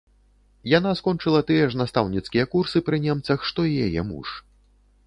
Яна скончыла тыя ж настаўніцкія курсы пры немцах, што і яе муж.